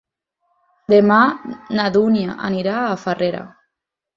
Demà na Dúnia anirà a Farrera.